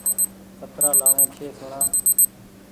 ڪترآ لآڻي ڇي سوڻآ